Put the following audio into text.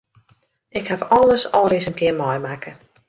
Ik haw alles al ris in kear meimakke.